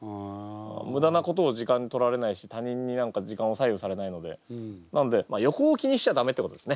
無駄なことに時間をとられないし他人に時間を左右されないのでなんで横を気にしちゃダメってことですね。